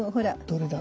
どれだ？